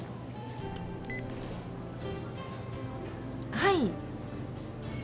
はい。